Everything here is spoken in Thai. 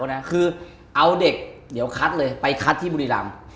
คือเอาเด็กเดี๋ยวคัดเลยไปคัดที่บุรีรำ